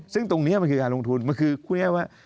ซึ่งตรงนี้มันคือการลงทุนมันคือพูดง่ายว่า